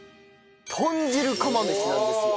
豚汁釜飯なんですよ。